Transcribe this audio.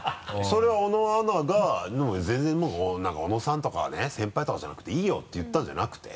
それは小野アナが「全然もう小野さんとかね先輩とかじゃなくていいよ」って言ったんじゃなくて？